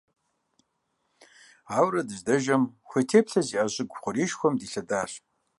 Ауэрэ дыздэжэм, хуей теплъэ зиIэ щIыгу хъуреишхуэм дилъэдащ.